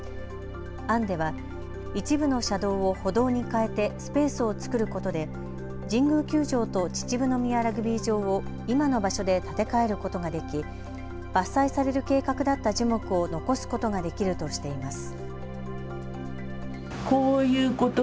案では一部の車道を歩道に変えてスペースを作ることで神宮球場と秩父宮ラグビー場を今の場所で建て替えることができ伐採される計画だった樹木を残すことができるとしています。